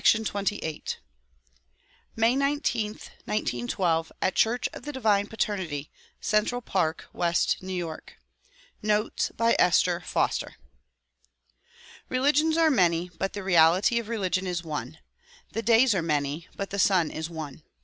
122 THE PROMULGATION OF UNIVERSAL PEACE IV May 19, 1912, at Church of the Divine Paternity, Central Park West, New York. Notes by Esther Foster RELIGIONS are many but the reality of religion is one. The days are many but the sun is one.